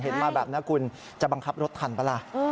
เห็นมาแบบนั้นนะคุณจะบังคับรถทันเปล่าล่ะ